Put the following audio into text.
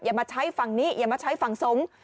มาใช้ฝั่งนี้อย่ามาใช้ฝั่งสงฆ์